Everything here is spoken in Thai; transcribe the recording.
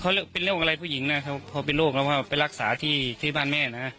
เขาเป็นโรคอะไรผู้หญิงนะเขาเป็นโรคเราว่าไปรักษาที่บ้านแม่นะ